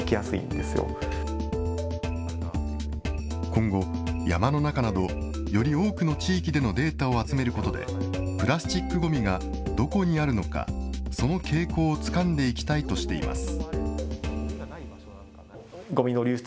今後、山の中など、より多くの地域でのデータを集めることで、プラスチックごみがどこにあるのか、その傾向をつかんでいきたいとしています。